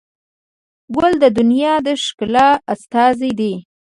ګل د دنیا د ښکلا استازی دی.